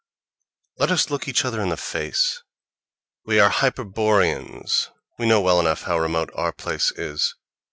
—Let us look each other in the face. We are Hyperboreans—we know well enough how remote our place is.